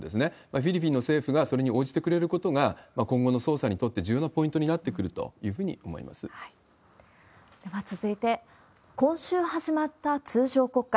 フィリピンの政府がそれに応じてくれることが、今後の捜査にとって重要なポイントになってくるというふうに思いでは続いて、今週始まった通常国会。